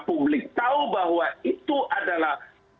publik tahu bahwa itu adalah